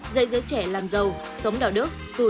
dạy giới trẻ làm giàu sống đạo đức thu chí làm ăn